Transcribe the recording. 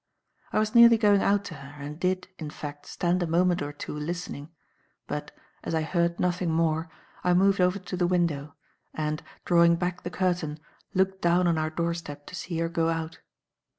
I was nearly going out to her, and did, in fact, stand a moment or two listening; but, as I heard nothing more, I moved over to the window, and, drawing back the curtain, looked down on our doorstep to see her go out.